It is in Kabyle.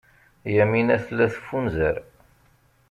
Yamina tella teffunzer.